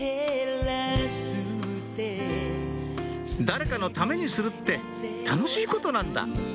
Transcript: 「誰かのためにするって楽しいことなんだ」